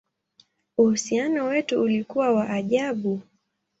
Uhusiano wetu ulikuwa wa ajabu!